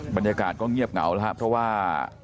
บรรยากาศก็เงียบเหงาแล้วครับเพราะว่า